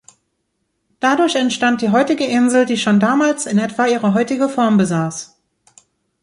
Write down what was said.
Dadurch entstand die heutige Insel, die schon damals in etwa ihre heutige Form besass.